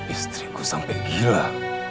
istriku sampai gila